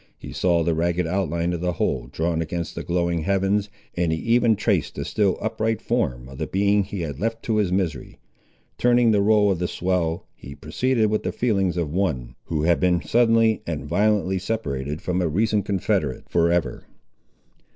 He saw the ragged outline of the whole drawn against the glowing heavens, and he even traced the still upright form of the being he had left to his misery. Turning the roll of the swell, he proceeded with the feelings of one, who had been suddenly and violently separated from a recent confederate, for ever.